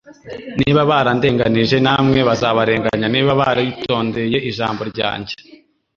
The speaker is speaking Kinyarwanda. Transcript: Niba barandenganije namwe bazabarenganya; niba baritondeye ijambo ryanjye